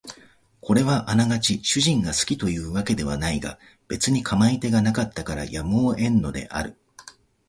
これはあながち主人が好きという訳ではないが別に構い手がなかったからやむを得んのである